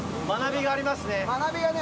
学びがね